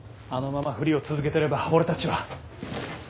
あのままふりを続けてれば俺たちは。